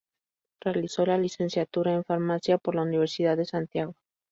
Realizó la licenciatura en Farmacia por la Universidad de Santiago.